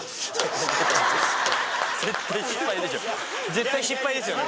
絶対失敗ですよね。